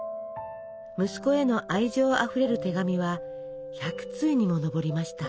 息子への愛情あふれる手紙は１００通にも上りました。